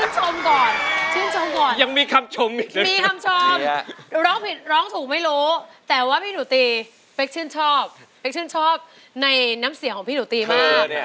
ต้องชื่นชมก่อนยังมีคำชมร้องผิดร้องถูกไม่รู้แต่ว่าพี่หนุติเพคชื่นชอบในน้ำเสียของพี่หนุติมาก